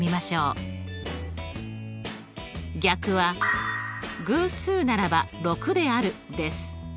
逆は「偶数ならば６である」です。